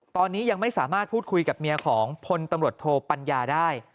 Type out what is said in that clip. ตอนนี้ยังไม่สามารถพูดคุยกับเมียของพลตำรวจโทปัญญาได้